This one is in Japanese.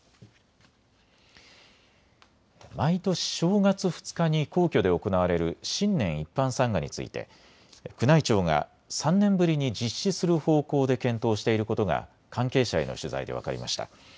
毎年、正月２日に皇居で行われる新年一般参賀について宮内庁が３年ぶりに実施する方向で検討していることが関係者への取材で分かりました。